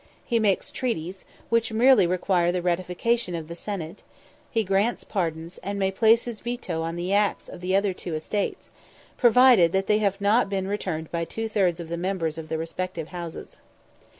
He makes treaties, which merely require the ratification of the Senate; he grants pardons, and may place his veto on the acts of the two other estates, provided that they have not been returned by two thirds of the members of the respective houses.